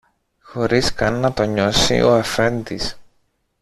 χωρίς καν να το νιώσει ο Αφέντης.